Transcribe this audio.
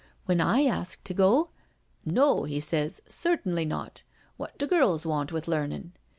When I asked to go, ' No,' says he, ' certainly not; what do girls want with learnin'?